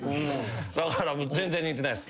だから全然似てないです。